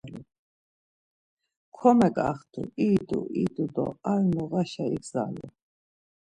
Komeǩaxtu, idu idu do ar noğaşa igzalu.